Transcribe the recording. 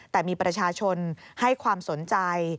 แต่มีประชาชนให้ความสนใจ